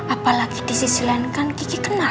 apalagi di sisi lain kan kiki kena